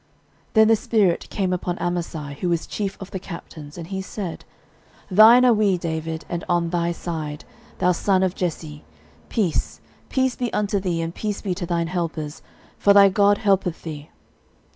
13:012:018 Then the spirit came upon Amasai, who was chief of the captains, and he said, Thine are we, David, and on thy side, thou son of Jesse: peace, peace be unto thee, and peace be to thine helpers; for thy God helpeth thee.